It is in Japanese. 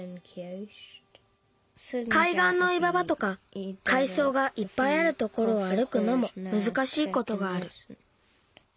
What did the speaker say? かいがんのいわばとかかいそうがいっぱいあるところをあるくのもむずかしいことがある。